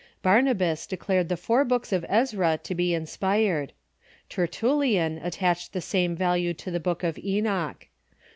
Barnabas declared the four books of Ezra to be in spired. Tertullian attached the same value to the Book of Enoch.